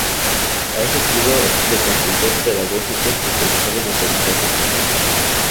Ha ejercido de consultor pedagógico, especializado en aprendizajes tempranos.